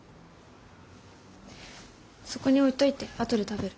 そこに置いといて後で食べる。